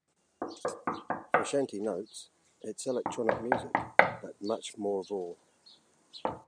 Frusciante notes, It's electronic music, but much more raw.